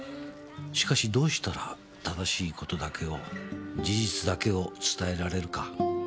「しかしどうしたら正しい事だけを事実だけを伝えられるか」